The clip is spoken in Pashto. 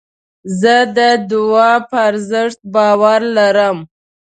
زه د دؤعا په ارزښت باور لرم.